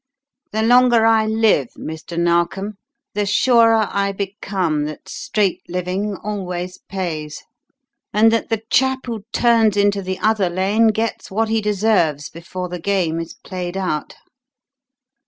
The longer I live, Mr. Narkom, the surer I become that straight living always pays; and that the chap who turns into the other lane gets what he deserves before the game is played out."